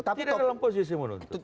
tidak dalam posisi menuntut